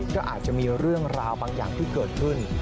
ก็อาจจะมีเรื่องราวบางอย่างที่เกิดขึ้น